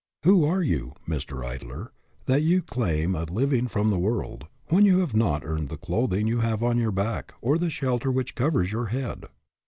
Who are you, Mr. Idler, that you claim a living from the world, when you have not earned the clothing you have on your back or the shelter which covers your head?